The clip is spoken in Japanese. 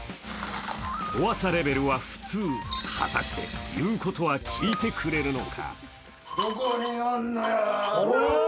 怖さレベルは普通、果たして言うことは聞いてくれるのか。